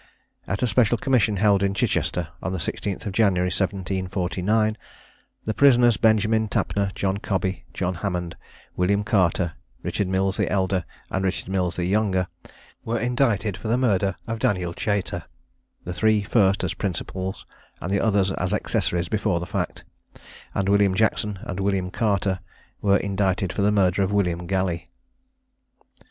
At a special commission held at Chichester, on the 16th of January 1749, the prisoners Benjamin Tapner, John Cobby, John Hammond, William Carter, Richard Mills the elder, and Richard Mills the younger, were indicted for the murder of Daniel Chater; the three first as principals, and the others as accessories before the fact; and William Jackson and William Carter were indicted for the murder of William Galley.